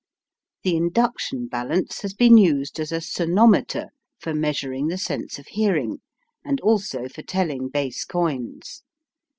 The induction balance has been used as a "Sonometer" for measuring the sense of hearing, and also for telling base coins.